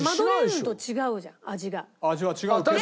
味は違うけど。